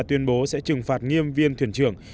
tuyên bố sẽ trừng phạt nghiêm viên thuyền trường